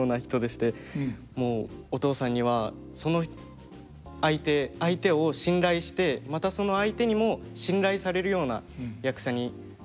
もうお父さんにはその相手相手を信頼してまたその相手にも信頼されるような役者になれと。